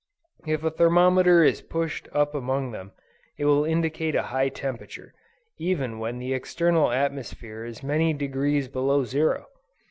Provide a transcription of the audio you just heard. If a thermometer is pushed up among them, it will indicate a high temperature, even when the external atmosphere is many degrees below zero.